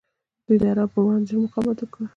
دوی د عربو پر وړاندې ډیر مقاومت وکړ